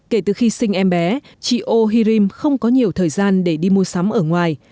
kể từ khi sinh em bé chị ô hirim không có nhiều thời gian để đi mua sắm ở ngoài